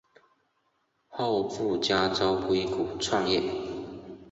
后赴加州硅谷创业。